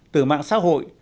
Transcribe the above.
từ mạng xã hội